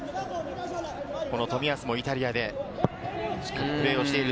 この冨安もイタリアで、しっかりとプレーをしている。